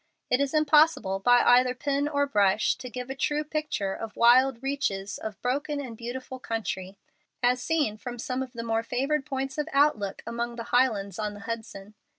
It is impossible by either pen or brush to give a true picture of wide reaches of broken and beautiful country, as seen from some of the more favored points of outlook among the Highlands on the Hudson.